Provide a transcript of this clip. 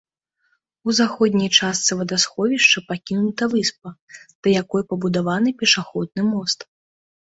У заходняй частцы вадасховішча пакінута выспа, да якой пабудаваны пешаходны мост.